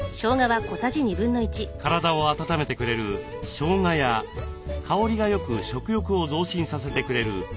体を温めてくれるしょうがや香りがよく食欲を増進させてくれるみょうが。